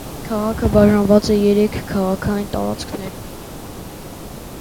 Քաղաքը բաժանված է երեք քաղաքային տարածքներում։